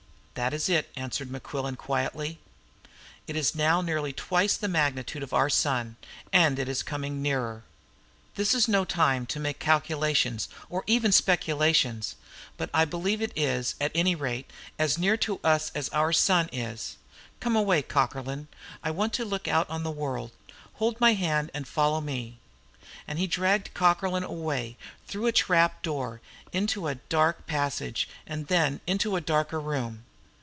"That is It," answered Mequillen quietly. "It is now nearly twice the magnitude of our sun, and it is coming nearer. This is no time to make calculations, or even speculations; but I believe it is, at any rate, as near to us as our sun is. Come away, Cockerlyne; I want to look out on the world. Hold my hand and follow me." And he dragged Cockerlyne away through a trap door and into a dark passage, and then into a darker room.